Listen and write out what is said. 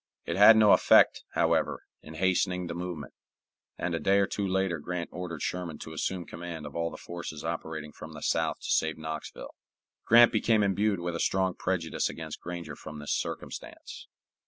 It had no effect, however, in hastening the movement, and a day or two later Grant ordered Sherman to assume command of all the forces operating from the south to save Knoxville. Grant became imbued with a strong prejudice against Granger from this circumstance.